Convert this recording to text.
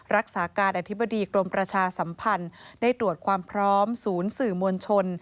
รักษาการอธิบดีกรมประชาสัมพันธ์ได้ตรวจความพร้อมศูนย์สื่อมวลชน